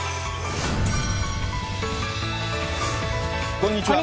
こんにちは。